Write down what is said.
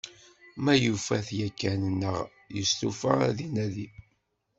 Ma yufa-t yakan neɣ ma yestufa ad t-inadi.